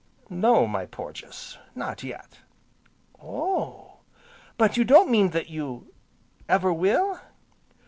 "No, my Porges, not yet." "Oh! but you don't mean that you ever will?"